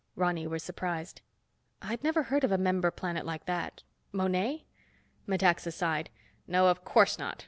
Ronny was surprised. "I'd never heard of a member planet like that. Monet?" Metaxa sighed. "No, of course not.